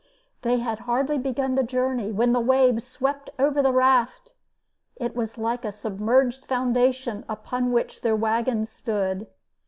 They had hardly begun the journey when the waves swept over the raft. It was like a submerged foundation upon which their wagons stood.